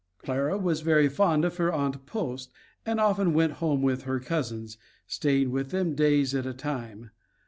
Clara was very fond of her Aunt Post and often went home with her cousins, staying with them days at a time.